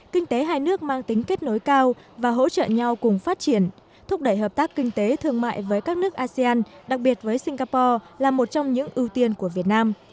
kinh tế hai nước mang tính kết nối cao và hỗ trợ nhau cùng phát triển thúc đẩy hợp tác kinh tế thương mại với các nước asean đặc biệt với singapore là một trong những ưu tiên của việt nam